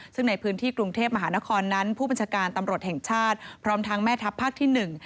ซึ่งในพื้นที่กรุงเทพมหานครนั้นผู้บัญชาการตำรวจแห่งชาติพร้อมทั้งแม่ทัพภาคที่หนึ่ง